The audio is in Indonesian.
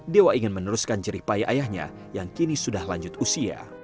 dewa ingin meneruskan jerih payah ayahnya yang kini sudah lanjut usia